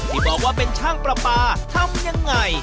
ที่บอกว่าเป็นช่างประปาทำยังไง